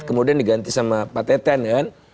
kemudian diganti sama pak teten kan